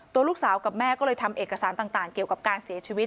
ตัวลูกสาวกับแม่ก็เลยทำเอกสารต่างเกี่ยวกับการเสียชีวิต